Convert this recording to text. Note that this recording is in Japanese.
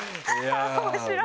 面白い！